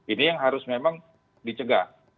ini yang harus memang dicegah